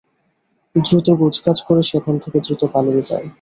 দ্রুত গোছগাছ করে সেখান থেকে দ্রুত পালিয়ে যাও!